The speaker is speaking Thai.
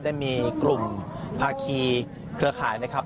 ได้มีกลุ่มภาคีเครือข่ายนะครับ